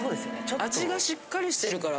味がしっかりしてるから。